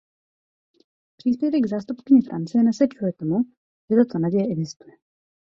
Příspěvek zástupkyně Francie nasvědčuje tomu, že tato naděje existuje.